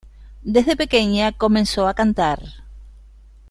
Desde pequeña comenzó a cantar.